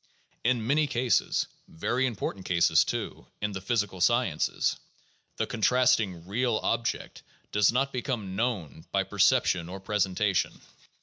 In many cases — very important cases, too, in the physical sciences — the contrasting "real object" does not become "known" by perception or presentation.